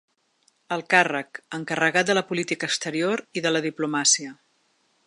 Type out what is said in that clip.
El càrrec: encarregat de la política exterior i de la diplomàcia.